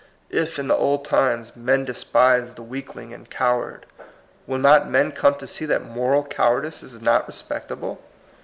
If, in the old times, men despised the weakling and coward, will not men come to see that moral cowardice is not respectable